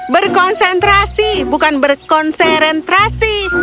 berkonsentrasi bukan berkonserentrasi